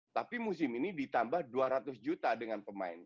tapi musim ini ditambah dua ratus juta dengan pemain